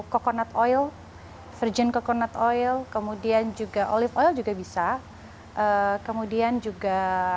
coconut oil virgin coconut oil kemudian juga olive oil juga bisa kemudian juga